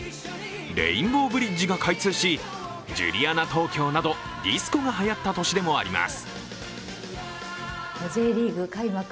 レインボーブリッジが開通しジュリアナ東京などディスコがはやった年でもあります。